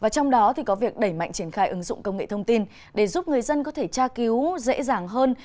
trong đó có việc đẩy mạnh triển khai ứng dụng công nghệ thông tin để giúp người dân có thể tra cứu dễ dàng hơn